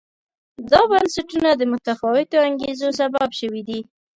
دا بنسټونه د متفاوتو انګېزو سبب شوي دي.